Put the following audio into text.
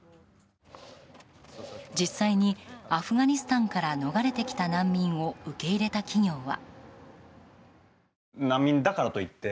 実際に、アフガニスタンから逃れてきた難民を受け入れた企業は。